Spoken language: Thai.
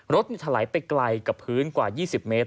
รถถลายไปไกลกับพื้นกว่า๒๐เมตร